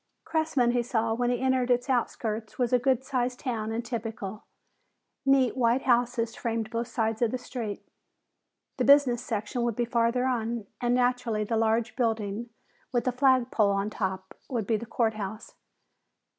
Cressman, he saw when he entered its outskirts, was a good sized town and typical. Neat white houses framed both sides of the street. The business section would be farther on, and naturally the large building with a flag pole on top would be the court house.